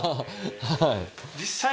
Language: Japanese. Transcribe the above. はい。